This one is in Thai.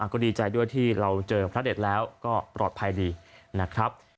ก็ดีใจด้วยที่เราเจอพระเด็ดแล้วก็ปลอดภัยดีนะครับ